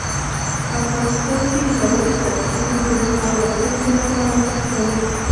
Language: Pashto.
افغانستان کې ژورې سرچینې د نن او راتلونکي لپاره ارزښت لري.